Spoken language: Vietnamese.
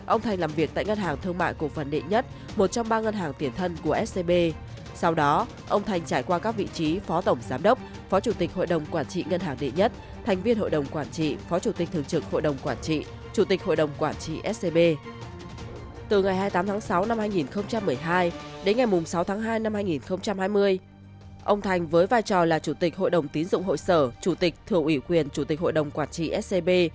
ông thành với vai trò là chủ tịch hội đồng tín dụng hội sở chủ tịch thượng ủy quyền chủ tịch hội đồng quản trị scb